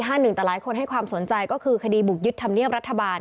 แต่หลายคนให้ความสนใจก็คือคดีบุกยึดธรรมเนียบรัฐบาล